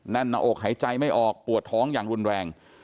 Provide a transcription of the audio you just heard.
หน้าอกหายใจไม่ออกปวดท้องอย่างรุนแรง